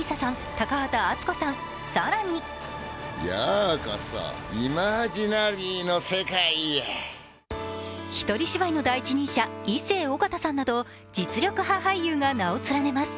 高畑淳子さん、更に一人芝居の第一人者、イッセー尾形さんなど実力派俳優が名を連ねます。